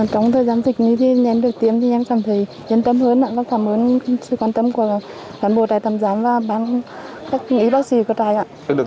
thời gian tới công an tỉnh nghệ an cũng sẽ tiếp tục